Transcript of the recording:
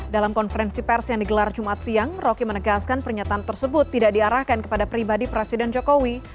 dalam konferensi pers yang digelar jumat siang rocky menegaskan pernyataan tersebut tidak diarahkan kepada pribadi presiden jokowi